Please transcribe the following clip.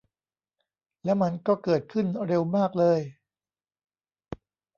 แล้วมันก็เกิดขึ้นเร็วมากเลย